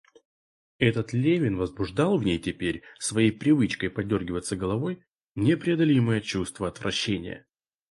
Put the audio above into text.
Этот Левин возбуждал в ней теперь своею привычкой подёргиваться головой непреодолимое чувство отвращения.